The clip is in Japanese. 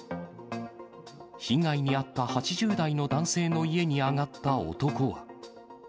被害に遭った８０代の男性の家に上がった男は。